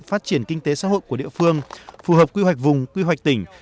phát triển kinh tế xã hội của địa phương phù hợp quy hoạch vùng quy hoạch tỉnh